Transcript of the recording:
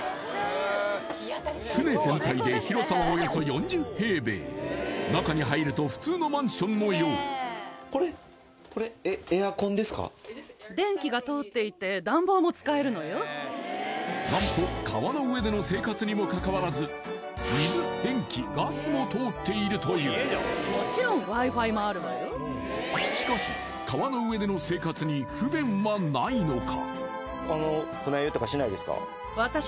おお広い中に入ると普通のマンションのようこれ何と川の上での生活にもかかわらず水電気ガスも通っているというしかし川の上での生活に不便はないのか？